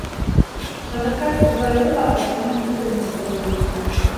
Ҡыҙыҡай оҙайлы ваҡыт шуның һөтөн әсергә тейеш.